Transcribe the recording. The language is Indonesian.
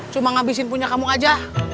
cuma ngabisin punya kamu aja